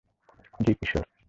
জি, কিশোর।